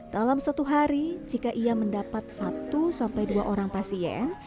dalam satu hari jika ia mendapat satu dua orang pasien